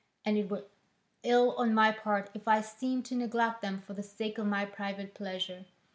And it were ill on my part if I seemed to neglect them for the sake of my private pleasure.